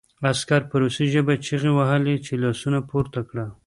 عسکر په روسي ژبه چیغې وهلې چې لاسونه پورته کړه